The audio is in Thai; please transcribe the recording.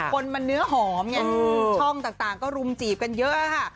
คนมันเนื้อหอมไงช่องต่างก็รุมจีบกันเยอะค่ะ